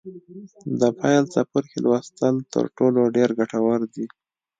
د پیل څپرکي لوستل تر ټولو ډېر ګټور دي.